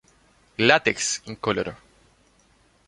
Látex incoloro.